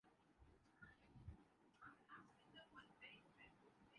خیالوں میں گم ہو جانا پسند کرتا ہوں